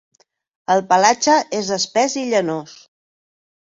El pelatge és espès i llanós.